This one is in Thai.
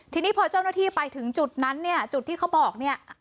ทีนี้พอเจ้าหน้าที่ไปถึงจุดนั้นเนี่ยจุดที่เขาบอกเนี่ย